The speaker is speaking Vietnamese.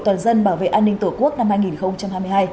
toàn dân bảo vệ an ninh tổ quốc năm hai nghìn hai mươi hai